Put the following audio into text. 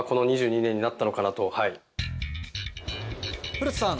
古田さん